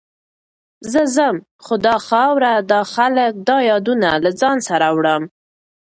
زه ځم، خو دا خاوره، دا خلک، دا یادونه له ځان سره وړم.